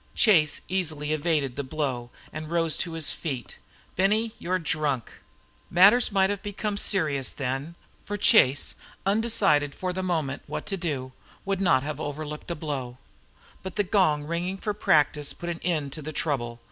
Chase easily evaded the blow and arose to his feet. "Benny, you're drunk." Matters might have become serious then, for Chase, undecided for the moment what to do, would not have overlooked a blow, but the gong ringing for practice put an end to the trouble.